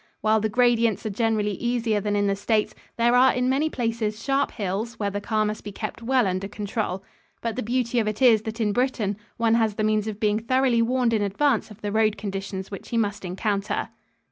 While the gradients are generally easier than in the States, there are in many places sharp hills where the car must be kept well under control. But the beauty of it is that in Britain one has the means of being thoroughly warned in advance of the road conditions which he must encounter.